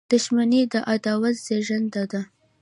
• دښمني د عداوت زیږنده ده.